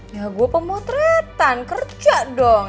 ya gue pemotretan kerja dong